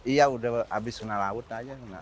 iya sudah habis kena laut saja